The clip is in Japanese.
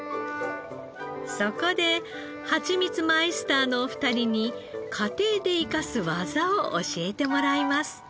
そこではちみつマイスターのお二人に家庭で生かす技を教えてもらいます。